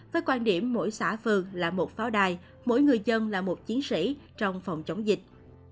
với quan điểm mỗi xã phường là một pháo đài mỗi người dân là một chiến sĩ trong phòng chống dịch